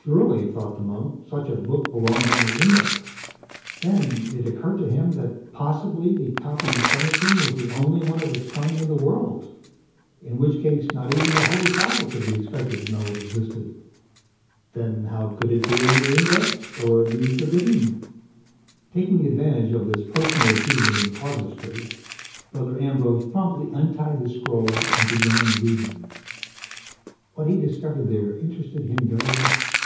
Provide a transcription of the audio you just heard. Surely, thought the monk, such a book belonged on the Index. Then, it occurred to him that possibly the copy in front of him was the only one of its kind in the world, in which case not even the Holy Father could be expected to know it existed. Then, how could it be on the Index or be forbidden? Taking advantage of this personal achievement in casuistry, Brother Ambrose promptly untied the scroll and began reading. What he discovered there interested him very much.